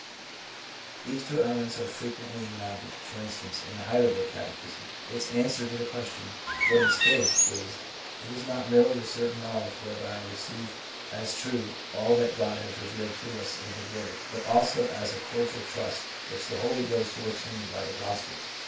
These two elements are fre quently united, for instance in the Heidelberg catechism. Its answer to the question, "What is faith?" is: "It is not merely a certain knowledge whereby I receive as true all that God has revealed to us in His Word, but also a cordial trust which the Holy Ghost works in me by the gospel."